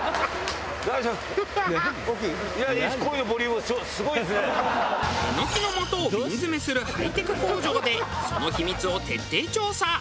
エノキのもとを瓶詰めするハイテク工場でその秘密を徹底調査。